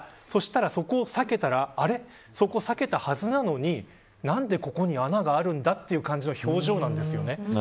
そしたら、そこを避けたらあれ、そこを避けたはずなのに何でここに穴があるんだという感じの表情なんですよね。